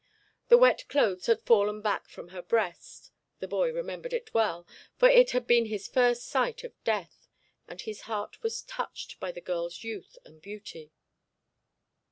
The wet clothes had fallen back from her breast the boy remembered it well, for it had been his first sight of death, and his heart was touched by the girl's youth and beauty.